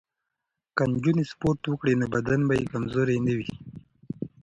که نجونې سپورت وکړي نو بدن به یې کمزوری نه وي.